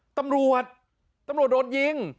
ตำรวจตำรวจโดนยิง